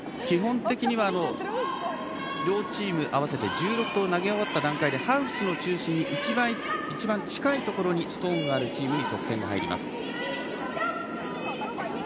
基本的には両チーム合わせて１６投を投げ終わった段階でハウスを中心に一番近いところにストーンがあるチームに得点が入ります。